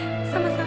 ibu semua penasaran